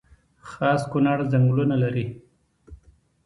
خاص کونړ ځنګلونه لري؟